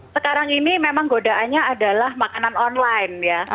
sekarang ini memang godaannya adalah makanan online ya